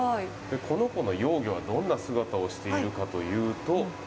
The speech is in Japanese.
この子の幼魚は、どんな姿をしているかというと。